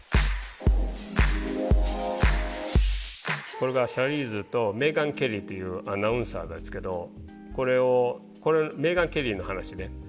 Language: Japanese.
これがシャーリーズとメーガン・ケリーっていうアナウンサーですけどこれをこれメーガン・ケリーの話ね。